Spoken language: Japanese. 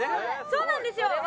そうなんですよ。